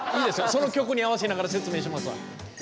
その曲に合わせながら説明しますわ。